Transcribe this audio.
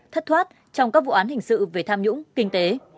thất thoát trong các vụ án hình sự về tham nhũng kinh tế